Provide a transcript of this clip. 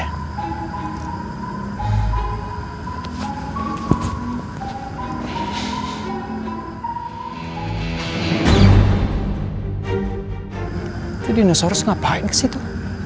itu dinosaurus ngapain kesitu